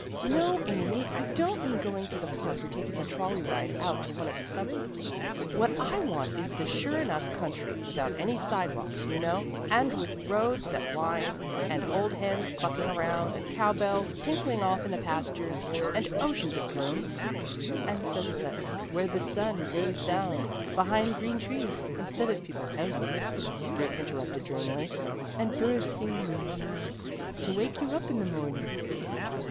"No, Amy! I don't mean going to the park, or taking a trolley ride out to one of the suburbs. What I want is the sure enough country, without any sidewalks, you know, and with roads that wind, and old hens clucking around, and cow bells tinkling off in the pastures, and oceans of room " "And sunsets where the sun goes down behind green trees, instead of peoples' houses," Ruth interrupted dreamily. "And birds singing like mad to wake you up in the morning."